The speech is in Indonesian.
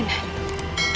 kekuatanku sangat dasyat